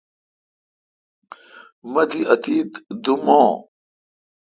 مہ تی اتیت دوم اں